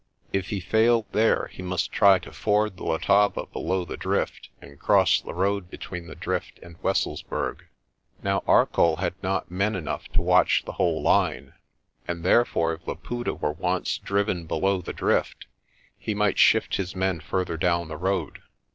If he failed there, he must try to ford the Letaba below the drift and cross the road between the drift and Wesselsburg. Now Arcoll had not men enough to watch the whole line, and therefore if Laputa were once driven below the drift, he might shift his men further down the road.